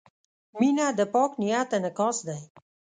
• مینه د پاک نیت انعکاس دی.